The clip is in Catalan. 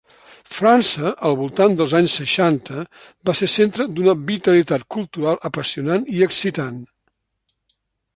França, al voltant dels anys seixanta, va ser centre d'una vitalitat cultural apassionant i excitant.